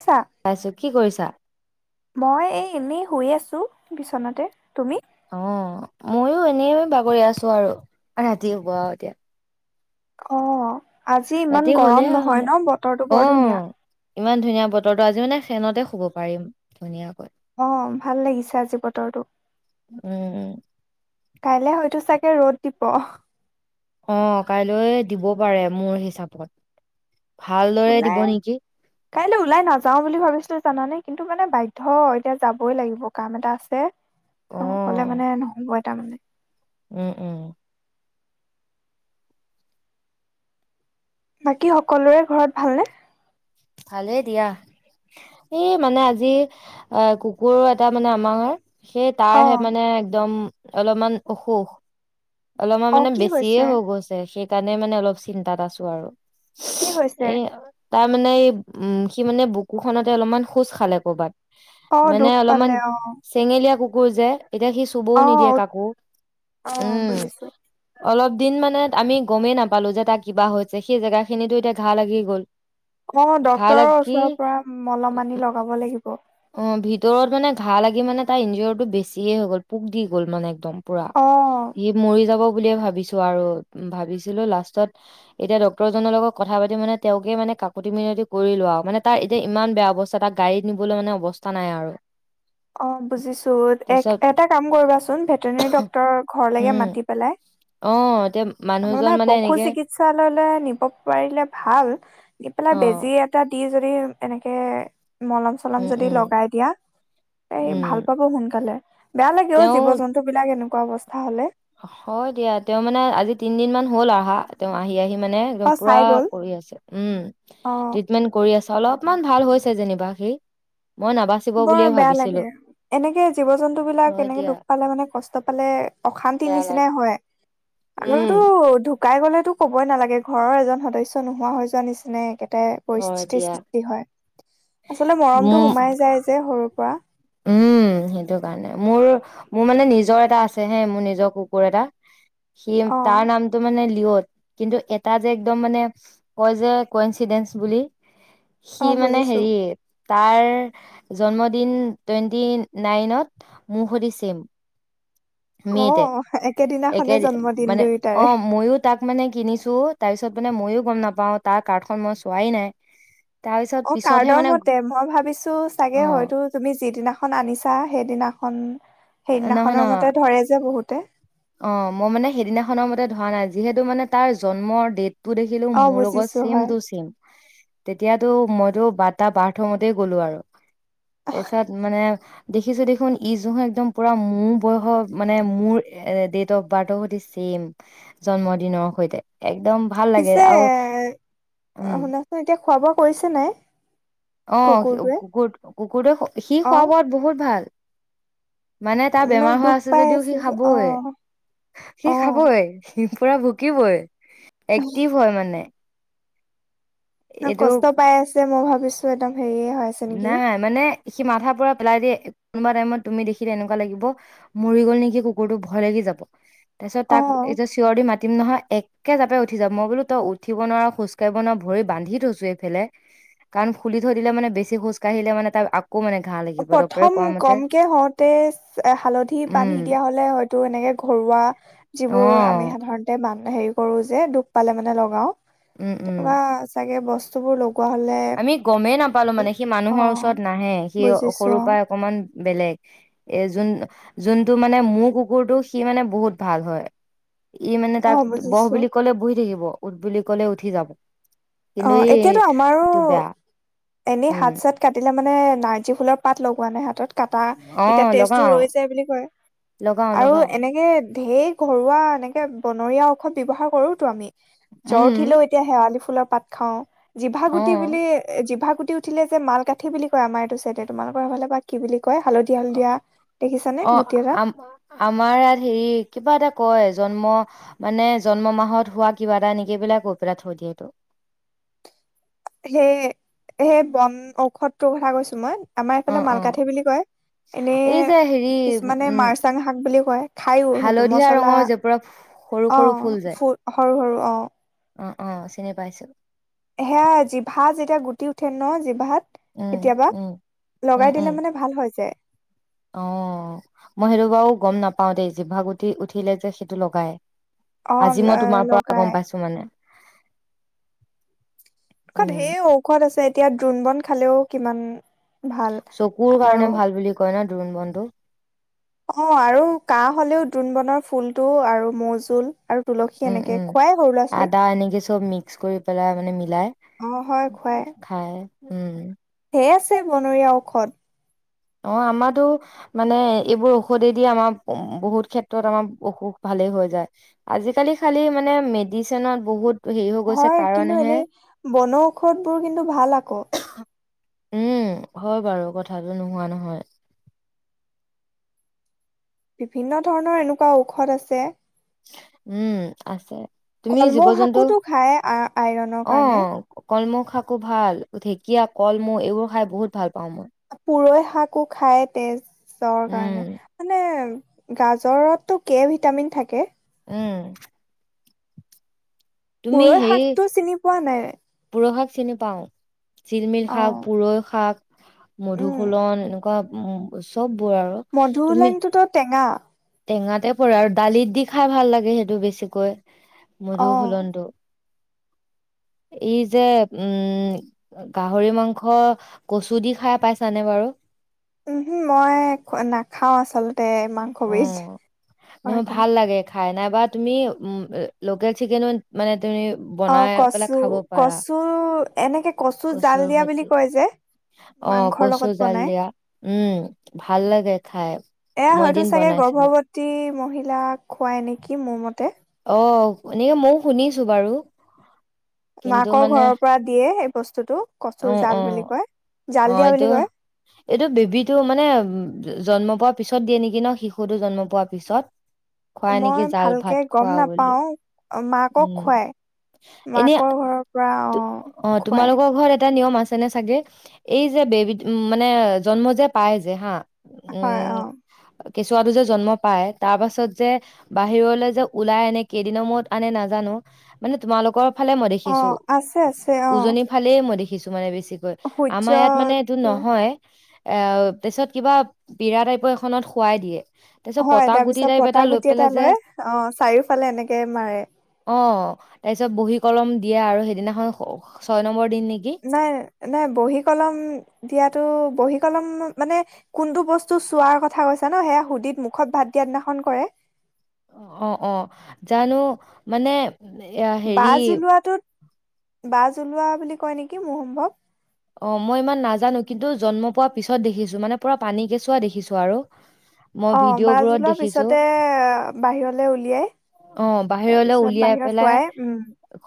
কত আছা পাইছো কি কৰিছা মই এই এনেই? শুই আছো বিচনাতে তুমি? অ' মইয়ো এনে বাগৰি আছো আৰু ৰাতি হব আৰু এতিয়া। অ', আজি ইমান ৰাতি হ'লে গৰম আৰু নহয় মানে ন বতৰটো অ বৰ ধুনীয়া। ইমান ধুনীয়া বতৰটো আজি মানে ফেনতে শুব পাৰিম ধুনীয়াকৈ। অ ভাল লাগিছে আজি বতৰটো। উম উম কাইলে হয়তো চাগে ৰ'দ দিব। অ' কাইলৈ দিব পাৰে মোৰ হিচাপত। ভালদৰে দিব ওলাই নেকি কাইলৈ ওলাই নাযাও বুলি ভাবিছিলো জানানে? কিন্তু মানে বাধ্য এতিয়া যাবই লাগিব কাম এটা আছে। অ' অকলে মানে নহব তাৰমানে। উম-উম। বাকী সকলোৰে ঘৰত ভালনে? ভালেই দিয়া, এই মানে আজি আ কুকুৰ এটা মানে আমাৰ সেই অ তাৰহে মানে একদম অলপমান অসুখ। অলপমান অ মানে কি বেছিয়ে হৈছে হৈ গৈছে স সেইকাৰণে মানে অলপ চিন্তাত আছো আৰু। কি হৈছে? এ তাৰ মানে, উম, সি মানে বুকুখনতে অলপমান খোজ খালে কৰ'বাত। অ মানে দুখ অলপমান পালে অ চেঙেলীয়া কু কুকুৰ যে। এতিয়া সি চুবও অ নিদিয়ে কাকো। অ উম, বুজিছো অলপ দিন মানে আমি গমেই নাপালো যে তাৰ কিবা হৈছে সেই জেগাখিনো এতিয়া ঘাঁ লাগি গ'ল। অ' ঘাঁ ডাক্তৰৰ লাগি ওচৰৰ পৰা মলম মানি লগাব লাগিব। অ' ভিতৰত মানে ঘা লাগি মানে তাৰ ইঞ্জৰিটো বেছিয়ে হৈ গ'ল পোক দি গ'ল মানে একদম। পুৰা অ', সি মৰি যাব বুলিয়ে ভাবিছো আৰু উম ভাবিছিলো লাষ্টত। এতিয়া ডক্তৰ জনৰ লগত কথা পাতি মানে তেওঁকে মানে কাকতি মিনতি কৰিলো আৰু মানে তাৰ এতিয়া ইমান বেয়া অৱস্থা তাক গাড়ীত নিবলৈ মানে অৱস্থা নাই আৰু অ বুজিছো তাৰপিছত এটা কাম কৰিবাচোন ভেটেনেৰী ডক্তটৰৰ ঘৰলৈকে উম মাতি পেলাই অ এতিয়া মানে মানুহজন পশু এনেকে চিকিৎসালয়লৈ নিব পাৰিলে ভাল নি পেলাই অ বেজি এটা ই যদি এনেকে মলম চলম উম যদি উম লগাই দিয়া ভাল উম পাব সোনকালে কালে বেয়া লাগে অ তেওঁ জীৱ জন্তু বিলাক এনেকা এনেকোৱা অৱস্থা হ'লে হয় দিয়া তেওঁ মানে আজি তিনদিন মান হল আহা তে আহি আহি মানে একদম অ', পুৰা চাই গ'ল কৰি আছে উম অ', ট্ৰিটমেন্ট কৰি আছে অলপমান ভাল হৈছে যেনিবা সি মই নাবাচিব বৰ বুলিয়ে বেয়া ভাবিছিলো লাগে এনেকে জীৱ জন্তু বিলাক হয় এনেকে দিয়া দুখ পালে মানে কষ্ট পালে অশান্ত তি বেয়া লাগে নিচিনা হয় উম আৰুতো ঢুকাই গ'লে তো ক'বই নালাগে ঘৰৰ এজন সদস্যু নোহোৱা হৈ যোৱা নিচিনাই একে হয় পৰিস্থিতিৰ দিয়া সৃষ্টি হয় আচলতে মৰমটো মোৰ সোমাই যায় যে সৰুৰ পৰা উম সেইটোকাৰণে, মোৰ-মোৰ মানে নিজৰ এটা আছে হে, মোৰ নিজৰ কুকুৰ এটা সি অ তাৰ নামটো মানে [unintelligible] কিন্তু এটা যে একদম মানে কয় যে, ক'ইনচিডেন্স বুলি অ সি মানে বুজিছো হেৰি তাৰ জন্মদিন টুৱেণ্টি-নাইনত মোক হতি চেম অ মেতে, একে একেদিনাখনে জন্মদিন দে-মানে, দুয়োটাৰে অ' মইও তাক মানে কিনিছো। তাৰপিছ পিছত মানে মইয়ো গম নাপাও তাৰ কাৰ্ডখন মই চোৱাই নাই। তাৰ পিছত অ' পিছতহে কাৰ্ডৰ মানে মতে মই ভাবিছো অ চাগে হয়তো তুমি যিদিনাখন আনিছা সেইদিনাখন খন নহয় সেইদিনাখনৰ নহয় মতে ধৰে যে বহুত তে অ' মই মানে সেইদিনাখনৰ মতে ধৰা নাই, যিহেতু মানে তাৰ জন্মৰ ডেট তো দেখিলো অ মোৰ লগত বুজিছো হয় চেইম-টো-চেইম, তেতিয়াতো মই বাটা বাথৰুমতে গ'লো আৰু। তাৰিছত মানে দেখিছো দেখোন ইজোহে একদম পুৰা মোৰ বয়সৰ মানে মোৰ এ এ ডেট অফ বাৰ্থৰ সৈতে ছেম, জন্মদিনৰ সৈতে। এক পিছে, উম আ শুনাচোন এতিয়া খোৱা-বোৱা কৰিছে নাই? অ' কুকুৰটোৱে কুকুৰ-কুকুৰটোৱে, সি অ খোৱা-বোৱাত বহুত ভাল। মানে তাৰ ইমান বেমাৰ হোৱা দুখ আছে পাই যদিও সি যে অ খাবই, সি অ খাবই। পুৰা ভুকিবই। এক্টিভ হয় মানে। ন এইটো কষ্ট পাই আছে মই ভাবিছো চো এডম নাই, মানে। সি মাথাৰ পৰা পেলাই দিয়ে, কোনোবা টাইমত তুমি দেখিলে এনেকুৱা লাগিব, মৰি গ'ল নেকি কুকুৰটো ভয় লাগি যাব! তাৰপিছত অ তাক এই যে চিঞৰ দি মাত তিম নহয় একে জাপে উঠি যাব। মই বোলো তই উঠিব নোৱাৰ, খোজ কাঢ়িব নোৱাৰ ভৰি বান্ধি থৈছো এইফেলে, কাৰণ খুলি থৈ দিলে মানে বেছি বেছি খোজ কাঢ়িলে মানে তাৰ আক প্ৰথম কমকে হওঁতে হালধি বান্ধি উম দিয়া হ'লে হয়তো এনেকে ঘৰুৱা, অ যিবোৰ আমি সাধাৰণতে মানো হেৰি কৰো যে দুখ পালে মানে লগাওঁ। উম উম তেনেকুৱা চাগে বচ বস্তু বোৰ [unintelligible] আমি গমেই নাপালো মানে সি অ মানুহৰ ওচৰত নাহে। সিও বুজিছো সৰুৰ পৰাই অকমান বেলেগ। এ যোন- যোনটো মানে মোৰ কুকুৰটো সি মানে বহুত ভাল হয়। ই মানে অ অ তাক বহ বুজিছো বুলি কলে বহি থাকিব। উঠ বুলি কলে উঠি যাব। কিন্তু ই ও বেয়া এনে উম হাত চাত কাটিলে মানে নাৰ্জী ফুলৰ পাত লগোৱা নে হাতত? কাটা। অ তেতিয়া তেজ টো লগাও ৰৈ যায় বুলি কয় লগাও আৰু লগাও এনেকে ধেৰ ঘৰুৱা এনেকে বনৰীয়া [unintelligible] ব্যৱহাৰ কৰোঁতো আমি। জ্বৰ উম উঠিলেও এতিয়া শেৱালি ফুলৰ পাত খাওঁ। জিভা অ গুটি বুলি এ জিভা সুি উঠিলে যে মালকাঠি বুলি কয় আমাৰ এইটো চাইতে তোমালোকৰ ফালে বা কি বুলি কয় হালধীয়া অ হালধীয়া দেখিছানে অ গুটি এটা আ আমাৰ ইয়াত হেৰি কিবা এটা কয় জন্ম মানে জন্ম মাহত হোৱা কিবা এটা নেকিবিলাক কৈ পেলাই থৈ দিয়েটো সেই সেই বন ঔষধটোৰ কথা কৈছো মই আমাৰ অ এইফালে অ মালকাঠি বুলি কয় এনেই এই যে হেৰি কিছুমানে উম মাৰচাং শাক বুলি কয় খাইও সেইটো হালধীয়া মছলা ৰঙৰ যে পুৰা সৰু অ সৰু ফুল যে ফ সৰু সৰু অ অ অ চিনি পাইছো সেয়া জিভা যেতিয়া গুটি উঠে ন জিভাত উম কেতিয়াবা উম উম লগাই উম দিলে মানে ভাল হৈ যায় অ মই সেইটো বাৰু গম নাপাও দেই জিভাগুটি উঠিলে যে সেইটো লগাই অ আজি মই ল- তোমাৰ পৰা লগাই গম পাইছো মানে উম ধেৰ ঔষধ আছে এতিয়া দ্ৰোণ বন খালেও কিমান ভাল চকুৰ আৰু কাৰণে ভাল বুলি কয় ন দ্ৰুণ বন টো অ আৰু কাহ হলেও দ্ৰুন বনৰ ফুলটো আৰু মৌজোল আৰু তুলসী উম এনেকে উম খুৱাই সৰু ল'ৰা ছোৱালীক আদা এনেকে চব মিক্স কৰি পেলাই মানে মিলাই অ হয় খাই উম ধেই আছে বনৰীয়া ঔষধ অ আমাতো মানে এইবোৰ ঔষধে দি আমাৰ বহুত ক্ষেত্ৰত আমাৰ অসুখ ভালেই হৈ যায় আজিকালি খালি মানে মেডিচিনত বহুত হেৰি হৈ গৈছে হয় কিন্তু কাৰণেহে এনেই বনৌষধ বোৰ কিন্তু ভাল আকৌ উম হয় বাৰু কথাাটো ন নোহোৱা নহয় বিভিন্ন ধৰণৰ এনেকুৱা ঔষধ আছে উম আছে তুমি জীৱ কলমৌ জন্তু শাকোতো খায় আ- আইৰনৰ অ কাৰণে কলমৌখ খাকো ভাল ঢেকীয়া কলমৌ এইবোৰ খাই বহুত ভাল পাওঁ মই পুৰৈ শাকো খায় তেজৰ কাৰণে উম মানে গাজৰতটো কে ভিটামিন থাকে উম তুমি পুৰৈ হেৰি শাকটো চিনি পোৱা নাই পুৰৈ শাক চিনি পাওঁ জিলমিল অ শাক পূৰৈ শাক মধুসুলন এনেকুৱা উ চব মধুসুলেনটো তো টেঙা টেঙাতে পৰে আৰু দালিত দি খাই ভাল লাগে সেইটো বেছিকৈ মুধ অ হুলনডু ই যে উম গাহৰি মাংস কচু দি খাই পাইছানে বাৰু উম মই নাখাও আচলতে ততে মাংস অ বীজ নহয় পাৰটা ভাল লাগে খাই নাইবা তুমি উ লোকেল চিকেনো মানে তুমি অ বনাই পেলাই কচু খাব পাৰা কচু এনেকে কচু জাল কচুৰ দিয়া বুলি সতে কয় যে অ মাংসৰ কচু লগত জাল বনাই দিয়া উম ভাল লাগে খাই এয়া মই হয়তো এদিন চাগে বনাইছিলো গৰ্ভৱতী মহিলাক খুৱাই নেকি মোৰ মতে অ এনেকে ময়ও শুনিছো বাৰু কিন্তু মাকৰ মানে ঘৰৰ পৰা দিয়ে এই বস্তুটো কচুৰ আহ জাল আহ বুলি কয়। জাল আহ দিয়া এইটো বুলি কয় এইটো বেবীটো মানে জন্ম পোৱাৰ পিছত দিয়ে নেকি ন শিশুতো জন্ম পোৱাৰ পিছত খুৱাই নেকি মই জাল ভালকে ভাত গম খোৱা বুলি নাপাও মাকক উম খুৱাই। এনে মাকৰ ঘৰৰ পৰা অ অ খুৱাই তোমালোকৰ ঘৰত এটা নিয়ম আছে আছে নে চাগে এই যে বে মানে জন্ম যে পায় যে হা হয় উম অ অ কেঁচুৱাটো যে জন্ম পায় তাৰ পাছত যে বাহিৰলে যে ওলাই আনে কেইদিনৰ মূৰত আনে নাজানো মানে তোমালোকৰ ফালে মই অ দেখিছো আছে আছে অ উজনি ফালে মই দেখিছো তোমাৰে বেছি কৈ আমাৰ ইয়াত মানে এইটো সূৰ্যটো নহয় এ পিছত কিবা পীৰা টাইপৰ এখনত শুৱাই দিয়ে। তাৰ পিছত হয়, পতা গুটি তাৰপিছত টাইপ পতাগুটি এটা পেলাই যে লৈ অ' চাৰিও ফালে এনেকে মাৰে। য'ত বহী কলম দিয়ে আৰু সেইদিনাখন ছয় নম্বৰ দিন নেকি নাই, নাই বহী-কলম দিয়াতো বহী-কলম মানে কোনটো বস্তু চোৱাৰ কথা কৈছা ন, সেয়া সুদিত মুখত ভাত দিয়া দিনাখন কৰে। অ' অ', জানো, মানে! এ হেৰি বাজ ওলোৱাটোত বাজ ওলোৱা বুলি কয় নেকি মোৰ সম্ভৱ অ' মই ইমান নাজানো, কিন্তু জন্ম পোৱাৰ পিছত দেখিছো মানে পুৰা পানী কেঁচুৱা দেখিছো আৰু। মই অ' ভিডিঅ' বাছ বোৰত ওলোৱাৰ দেখিছো পিছতে বাহিৰলে উলিয়ায়। অ' বাহিৰলৈ উলিয়াই পেলাই, উম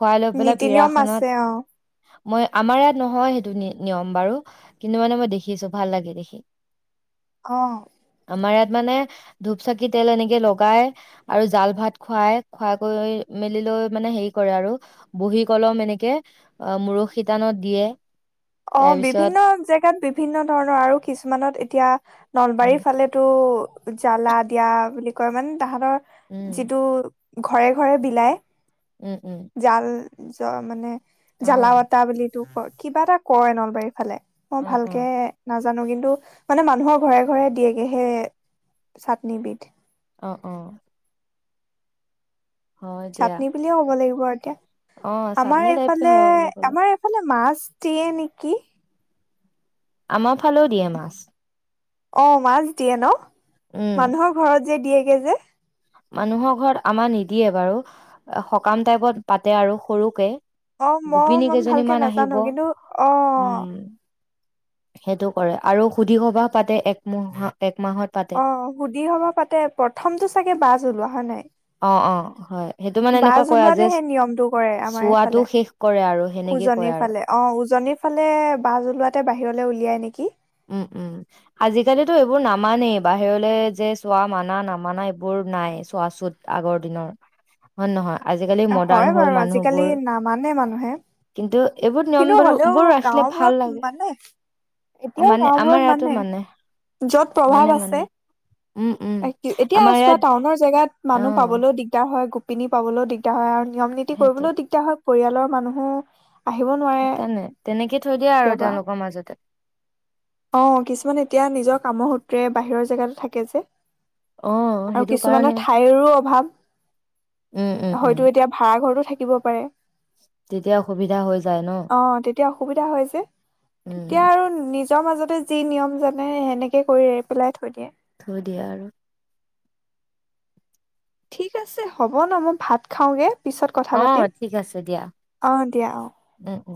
খুৱাই লৈ পেলাই নীতি নিয়ম আছে অ পীৰাখনত মই, আমাৰ ইয়াত নহয় সেইটো নিয়ম বাৰু কিন্তু মানে মই দেখিছো ভাল লাগে দেখি। অ'। আমাৰ ইয়াত মানে ধূপ-চাকি-তেল এনেকে লগায় আৰু জালভাত খুৱাই, খুৱাই কৰি মেলি লৈ মানে হেৰি কৰে আৰু, বহী-কলম এনেকে মূৰৰ শিতানত দিয়ে। অ' তাৰপিছত বিভিন্ন জেগাত বিভিন্ন ধৰণৰ আৰু কিছুমানত এতিয়া। নলবাৰীৰ উম ফালেতো জ্বালা দিয়া বুলি অকমান তাহাঁতৰ, উম যিটো ঘৰে-ঘৰে বিলাই। উম, উম। যা-মানে অ জ্বালাৱতা বুলিতো কয়, কিবা এটা। কয় নলবাৰীৰ ফালে। মই অ অ ভালকে নাজা জানো কিন্তু, মানে মানুহৰ ঘৰে-ঘৰে দিয়েগে সেই চাটনিবিধ। অ', অ'। হয় দিয়া চাটনি বুলিয়ে ক'ব লাগিব আৰু। এতিয়া। অ', আমাৰ চাটনি টাইপে এইফালে, হয় অলপ অলপ, আমাৰ এইফালে মাছ। দিয়ে নেকি? আমাৰ ফালেও দিয়ে মাছ। অ মাছ দিয়ে ন? উম, মানুহৰ ঘৰত। যে দিয়েগে যে। মানুহৰ ঘৰত আমাৰ নিদিয়ে বাৰু সকাম টাইপত পাতে আৰু সৰুকে। অ মই, গোপিনী মই ভালকে কেইজনীমান আহিব। নাজানো কিন্তু অ। উম, সেইটো কৰে আৰু সুধি সবাহ পাতে একমুহা। অ সুধি সবাহ পাতে প্ৰথমতটো চাগে বাছ ওলোৱা হয় নাই। অ অ হয় সেইটো মানে বাছ এনেকুৱা কয় আৰু ওলোৱাতে যে সেই নিয়মটো কৰে আমাৰ এইফালে চোৱাতো শেষ কৰে আৰু সেনেকেই উজনিৰ কয় আৰু। ফালে অ উজনিৰ ফালে বাছ ওলোৱাতে বাহিৰলৈ উলিয়াই নেকি। উম উম আজিকালিতো এইবোৰ নামানেই বাহিৰলে যে চোৱা মানা নামানা এইবোৰ নাই চোৱাচত আগৰ দিনৰ হয় নে নহয়। আজিকালি মডাৰ্ণ হয় হ'ল বাৰু আজিকালি মানুহবোৰ। নামানে মানুহে। কিন্তু এইবোৰ নিয়ম কিন্তু বোৰ হ'লেও বোৰ ৰাখিলে ভাল গাঁওবোৰত লাগে মানে। এতিয়াও মানে গাওবোৰত আমাৰ ইয়াতো মানে য'ত প্ৰভাৱ মানে আছে মানে উম উম এতিয়া আ এতিয়া আমাৰ চোৱা ইয়াত টাউনৰ জেগাত অ মানুহ পাবলৈও দিগদাৰ। হয় গোপিনী পাবলৈও দিগদাৰ হয় আৰু। নিয়ম নীতি সেইটোৱে কৰিবলৈও দিগদাৰ হয়। পৰিয়ালৰ মানুহো আহিব নোৱাৰে সেইকাৰণে তেনেকে থৈ দিয়ে আৰু কেতিয়াবা তেওঁলোকৰ মাজতে অ কিছুমান এতিয়া নিজৰ কামৰ সূত্ৰে বাহিৰৰ জেগাত থাকে যে অ আৰু সেইটো কাৰণে কিছুমানৰ ঠাইৰো অভাৱ উম উম উম হয়তো এতিয়া ভাড়াঘৰতো থাকিব পাৰে তেতিয়া অসুবিধা হৈ যায় ন অ তেতিয়া অসুবিধা হয় যে তেতিয়া উম আৰু নিজ নিজৰ মাজতে যি নিয়ম জানে সেনেকৈ কৰি এৰি পেলাই থৈ দিয়ে থৈ দিয়া আৰু ঠিক আছে হ'ব ন মই ভাত খাওঁগে পিছত কথা অ পাতিম ঠিক আছে দিয়া অঁ দিয়া অঁ উম উম